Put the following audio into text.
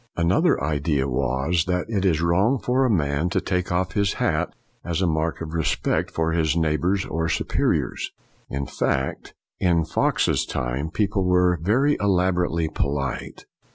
Another idea was that it is wrong for a man to take off his hat as a mark of re spect for his neighbors or superiors. In Fox's time people were very elaborately polite.